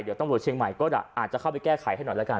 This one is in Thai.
เดี๋ยวตำรวจเชียงใหม่ก็อาจจะเข้าไปแก้ไขให้หน่อยแล้วกัน